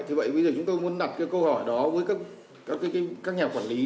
thế vậy bây giờ chúng tôi muốn đặt câu hỏi đó với các nhà quản lý